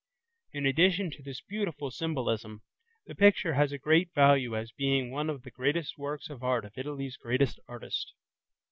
In addition to this beautiful symbolism, the picture has a great value as being one of the greatest works of art of Italy's greatest artist.